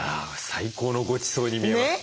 最高のごちそうに見えます。